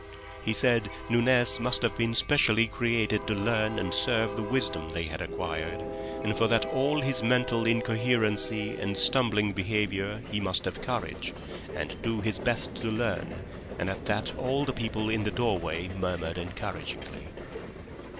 He said Nunez must have been specially created to learn and serve the wisdom they had acquired, and that for all his mental incoherency and stumbling behaviour he must have courage and do his best to learn, and at that all the people in the door way murmured encouragingly.